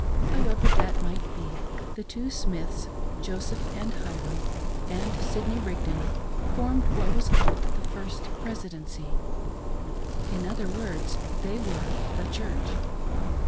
How ever that might be, the two Smiths, Joseph and Hyrum, and Sidney Rigdon formed what was called the "First Presidency" — in other words they were " the Church."